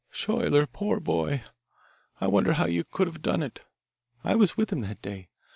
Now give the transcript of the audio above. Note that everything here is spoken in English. "Schuyler, poor boy, I wonder how you could have done it. I was with him that day.